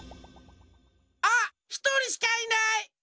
あっひとりしかいない！